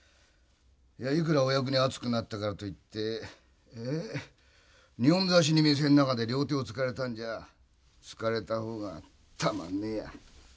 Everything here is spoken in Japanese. いくらお役に熱くなったからといって二本差しに店の中で両手をつかれたんじゃつかれた方がたまんねえや。